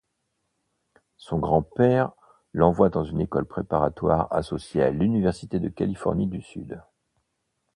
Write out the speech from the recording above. Son grand-père l'envoie dans une école préparatoire associée à l'Université de Californie du Sud.